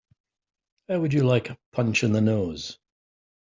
How would you like a punch in the nose?